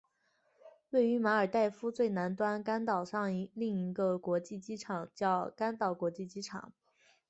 位于马尔代夫最南端甘岛上另一个国际机场叫甘岛国际机场。